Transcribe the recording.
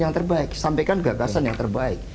yang terbaik sampaikan gagasan yang terbaik